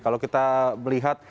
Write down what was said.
kalau kita melihat